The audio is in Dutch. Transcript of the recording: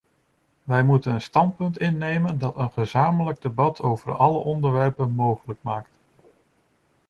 Wij moeten een standpunt innemen dat een gezamenlijk debat over alle onderwerpen mogelijk maakt.